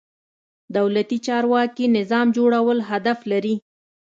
دولتي چارواکي نظام جوړول هدف لري.